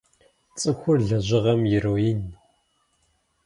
Цӏыхур лэжьыгъэм ироин.